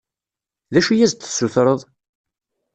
D acu i as-d-tessutreḍ?